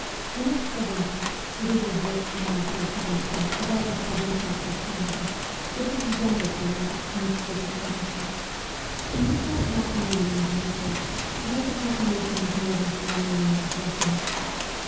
In its southern parts it is as rich in natural productions as are the southern parts of Canada, which it resembles very much in its physical aspects; and 'beside half a million of natives, it has a population of more than four millions of Russians.